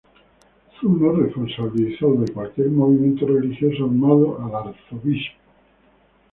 Zuno responsabilizó de cualquier movimiento religioso armado al arzobispo.